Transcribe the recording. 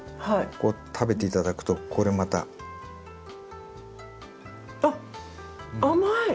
こう食べて頂くとこれまた。あっ甘い！